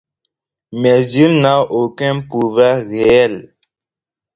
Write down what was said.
Mais il n'a aucun pouvoir réel.